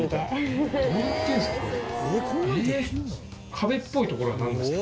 壁っぽいところはなんですか？